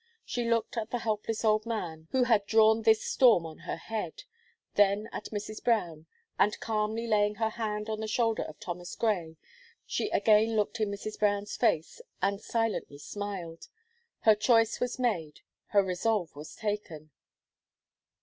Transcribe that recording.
She looked at the helpless old man, who had drawn this storm on her head, then at Mrs. Brown, and calmly laying her hand on the shoulder of Thomas Gray, she again looked in Mrs. Brown's face, and silently smiled. Her choice was made her resolve was taken.